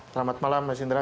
selamat malam mas indra